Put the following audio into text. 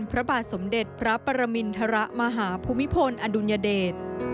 พระบาทสมเด็จพระปรมินทรมาหาภูมิพลอดุลยเดช